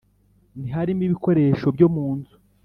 ntiharimo ibikoresho byo mu nzu